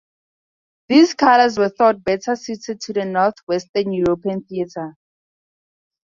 These colours were thought better suited to the North Western European theatre.